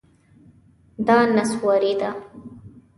دا نسواري ده